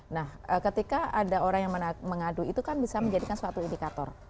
nah ketika ada orang yang mengadu itu kan bisa menjadikan suatu indikator